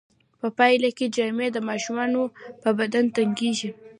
په پایله کې جامې د ماشوم په بدن تنګیږي.